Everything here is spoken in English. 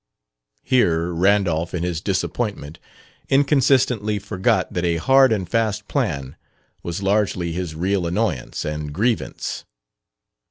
Here Randolph, in his disappointment, inconsistently forgot that a hard and fast plan was largely his real annoyance and grievance.